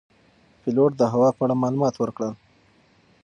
پیلوټ د هوا په اړه معلومات ورکړل.